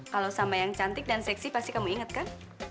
kalau sama yang cantik dan seksi pasti kamu inget kan